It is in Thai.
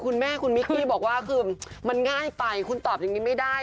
คุณแม่คุณมิกกี้บอกว่าคือมันง่ายไปคุณตอบอย่างนี้ไม่ได้